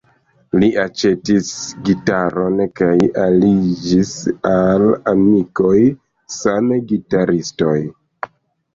Li aĉetis gitaron kaj aliĝis al amikoj, same gitaristoj.